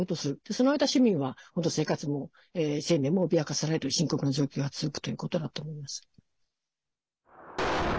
その間、市民は生活も生命も脅かされる深刻な状況が続くということだと思います。